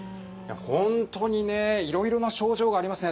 本当にねいろいろな症状がありますね